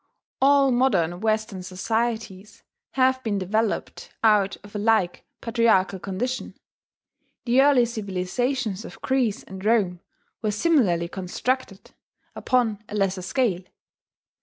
All modern Western societies have been developed out of a like patriarchal condition: the early civilizations of Greece and Rome were similarly constructed, upon a lesser scale.